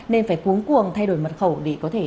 nên phải cúng cuồng thay đổi mật khẩu để có thể